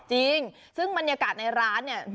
จริงซึ่งบรรยากาศในร้านเนี่ย